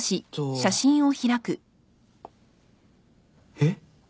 えっ？